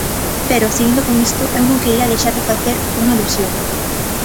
Pero, seguindo con isto, eu non quería deixar de facer unha alusión.